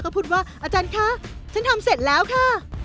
ก็พูดว่าอาจารย์คะฉันทำเสร็จแล้วค่ะ